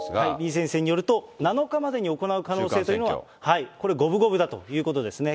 李先生によると、７日までに行う可能性というのは、これ、五分五分だということですね。